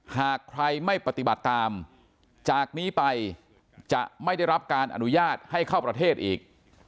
หากใครไม่ปฏิบัติตามจากนี้ไปจะไม่ได้รับการอนุญาตให้เข้าประเทศอีก